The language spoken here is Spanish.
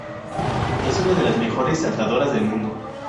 Es una de las mejores saltadoras del mundo.